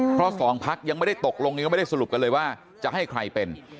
เพราะสองพักยังไม่ได้ตกลงยังไม่ได้สรุปกันเลยว่าจะให้ใครเป็น